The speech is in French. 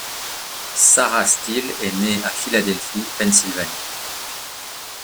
Sarah Steele est né à Philadelphie, Pennsylvanie.